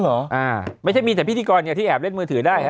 อ๋อเหรอไม่ใช่มีแต่พิธีกรที่แอบเล่นมือถือได้